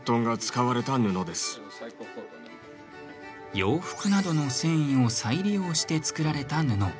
洋服などの繊維を再利用して作られた布。